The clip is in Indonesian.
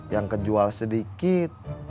yang kejual sedikit